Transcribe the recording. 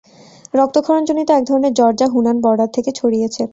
রক্তক্ষরণ জনিত এক ধরনের জ্বর যা হুনান বর্ডার থেকে ছড়িয়েছে।